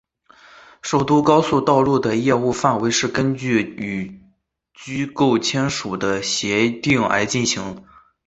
首都高速道路的业务范围是根据与机构签订的协定而进行。